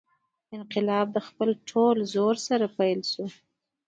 انقلاب له خپل ټول زور سره پیل شو.